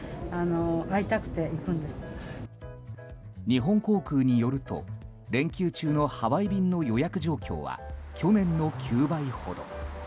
日本航空によると連休中のハワイ便の予約状況は去年の９倍ほど。